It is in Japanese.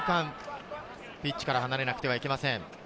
１０分間、ピッチから離れなくてはいけません。